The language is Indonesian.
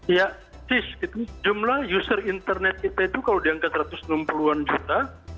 ya jumlah user internet kita itu kalau diangkat satu ratus enam puluh an juta